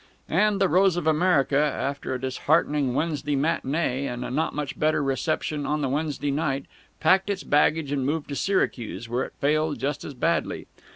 And "The Rose of America," after a disheartening Wednesday matinee and a not much better reception on the Wednesday night, packed its baggage and moved to Syracuse, where it failed just as badly.